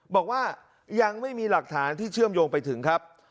บอกว่ายังไม่มีหลักฐานที่เชื่อมโยงไปถึงครับ